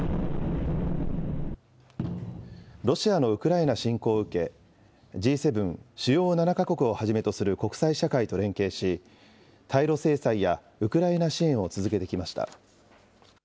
ロシアのウクライナ侵攻を受け、Ｇ７・主要７か国をはじめとする国際社会と連携し、対ロ制裁やウクライナ支援を続けてきました。